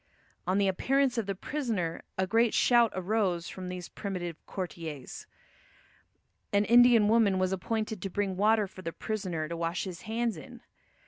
On the appearance of the prisoner a great shout arose from these primitive courtiers. An Indian woman was appointed to bring water for the prisoner to wash his hands in.